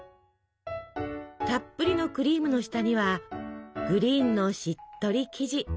たっぷりのクリームの下にはグリーンのしっとり生地。